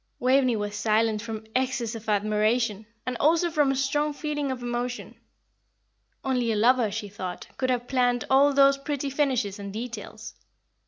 Waveney was silent from excess of admiration, and also from a strong feeling of emotion. Only a lover, she thought, could have planned all those pretty finishes and details.